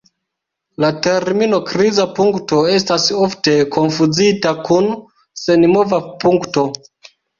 La termino "kriza punkto" estas ofte konfuzita kun "senmova punkto".